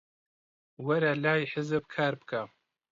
وەرە لای حیزب کار بکە.